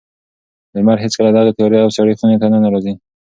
لمر هېڅکله دغې تیاره او سړې خونې ته نه راوځي.